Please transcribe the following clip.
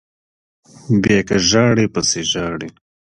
بیا که ژاړئ پسې ژاړئ